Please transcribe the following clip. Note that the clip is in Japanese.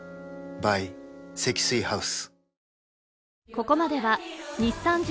ｂｙ 積水ハウス